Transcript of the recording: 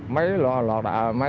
mấy loạt đạn